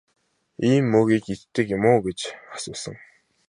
Ийм мөөгийг иддэг юм гэж үү гэж асуусан.